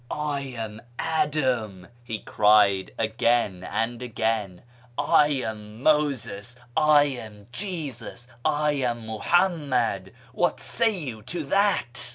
" I am Adam !" he cried, again and again ;" I am Moses ! I am Jesus ! I am Muhammad ! What say you to that